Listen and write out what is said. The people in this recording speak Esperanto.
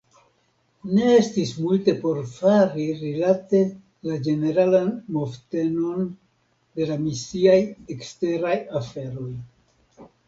Ne estis multe por fari rilate la ĝeneralan movtenon de la misiaj eksteraj aferoj.